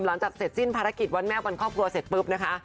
หลังจากเสร็จสิ้นภารกิจวันแม่วันครอบครัวเสร็จปุ๊บนะคะ